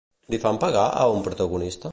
Li fan pagar a un protagonista?